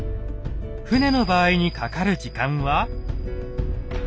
船の場合にかかる時間は。